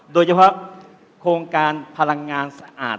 โดยเฉพาะโครงการพลังงานสะอาด